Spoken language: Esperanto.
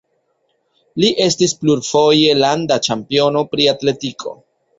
Li estis plurfoje landa ĉampiono pri atletiko.